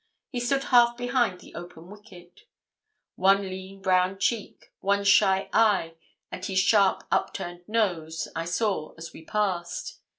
He stood half behind the open wicket. One lean brown cheek, one shy eye, and his sharp up turned nose, I saw as we passed.